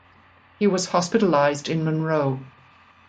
He was hospitalized in Monroe.